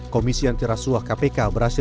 komisi antirasuah kpk berhasil